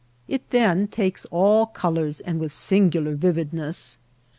It then takes all colors and with singular vividness.